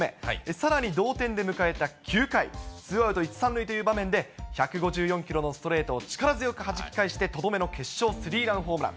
さらに、同点で迎えた９回、２アウト１、３塁という場面で、１５４キロのストレートを力強くはじき返してとどめの決勝３ランホームラン。